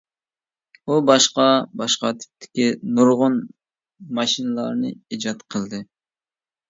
ئۇ باشقا-باشقا تىپتىكى نۇرغۇن ماشىنىلارنى ئىجاد قىلدى.